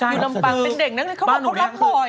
อยู่ลำปางเป็นเด็กนั้นเขาออกบ่อย